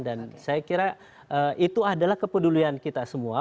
dan saya kira itu adalah kepedulian kita semua